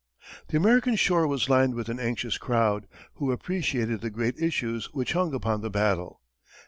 The American shore was lined with an anxious crowd, who appreciated the great issues which hung upon the battle.